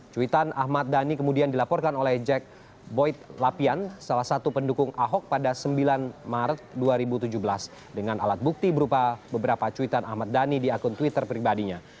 cuitan ahmad dhani kemudian dilaporkan oleh jack boyd lapian salah satu pendukung ahok pada sembilan maret dua ribu tujuh belas dengan alat bukti berupa beberapa cuitan ahmad dhani di akun twitter pribadinya